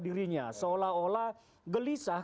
dirinya seolah olah gelisah